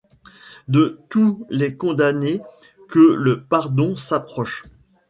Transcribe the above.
De tous les condamnés que le pardon s’approche!